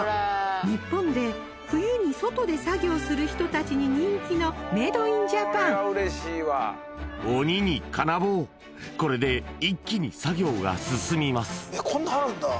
日本で冬に外で作業する人たちに人気のメイドインジャパン鬼に金棒これで一気に作業が進みます